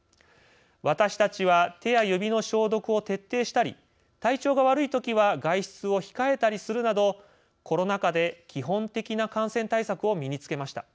私たちは手や指の消毒を徹底したり体調が悪いときは外出を控えたりするなどコロナ禍で基本的な感染対策を身につけました。